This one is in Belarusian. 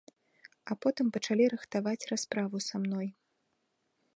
А потым пачалі рыхтаваць расправу са мной.